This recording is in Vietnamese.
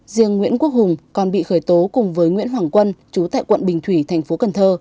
riêng nguyễn quốc hùng còn bị khởi tố cùng với nguyễn hoàng quân chú tại quận bình thủy thành phố cần thơ